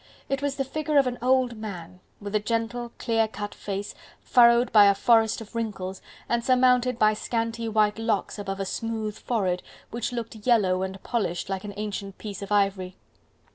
It was the figure of an old man, with a gentle, clear cut face furrowed by a forest of wrinkles, and surmounted by scanty white locks above a smooth forehead which looked yellow and polished like an ancient piece of ivory.